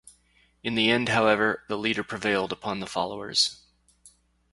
In the end, however, the leader prevailed upon the followers.